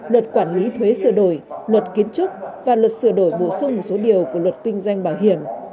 luật quản lý thuế sửa đổi luật kiến trúc và luật sửa đổi bổ sung một số điều của luật kinh doanh bảo hiểm